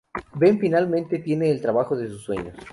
Ben finalmente tiene el trabajo de sus sueños.